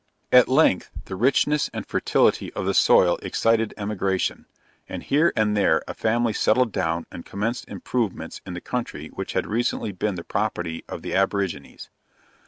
At length, the richness and fertility of the soil excited emigration, and here and there a family settled down and commenced improvements in the country which had recently been the property of the aborigines.